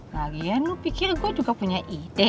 lagi ya lu pikir gua juga punya ide